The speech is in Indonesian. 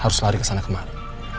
harus lari ke sana kemari